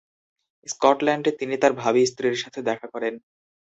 স্কটল্যান্ডে তিনি তার ভাবী স্ত্রীর সাথে দেখা করেন।